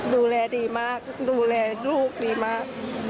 ดูแลดีมากดูแลลูกดีมาก